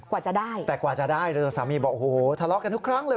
กว่าจะได้แต่กว่าจะได้สามีบอกโอ้โหทะเลาะกันทุกครั้งเลย